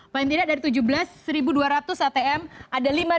paling tidak dari tujuh belas dua ratus atm ada lima ratus